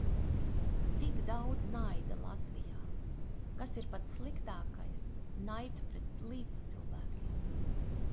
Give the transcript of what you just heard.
Tik daudz naida Latvijā, kas ir pats sliktākais - naids pret līdzcilvēkiem.